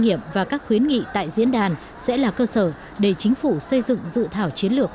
nghiệm và các khuyến nghị tại diễn đàn sẽ là cơ sở để chính phủ xây dựng dự thảo chiến lược